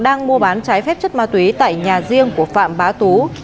đang mua bán trái phép chất ma túy tại nhà riêng của phạm bá tú